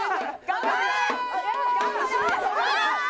頑張れ！